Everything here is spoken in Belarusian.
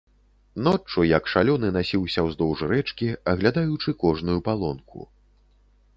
Ноччу як шалёны насіўся ўздоўж рэчкі, аглядаючы кожную палонку.